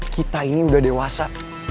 kita ini udah dewasa